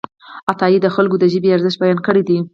عطايي د خلکو د ژبې ارزښت بیان کړی دی.